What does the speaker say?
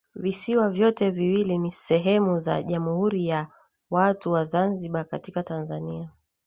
Visiwa vyote viwili ni sehemu za Jamhuri ya watu wa Zanzibar katika Tanzania